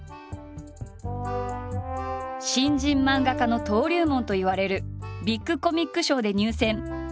新人漫画家の登竜門といわれるビッグコミック賞で入選。